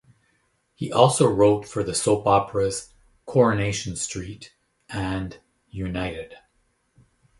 He also wrote for the soap operas "Coronation Street" and "United!".